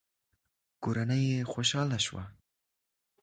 کورنۍ يې خوشاله شوه.